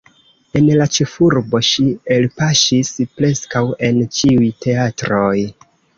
En la ĉefurbo ŝi elpaŝis preskaŭ en ĉiuj teatroj.